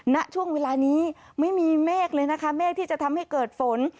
ณช่วงเวลานี้ไม่มีเมฆเลยนะคะเมฆที่จะทำให้เกิดฝน